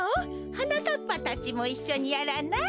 はなかっぱたちもいっしょにやらない？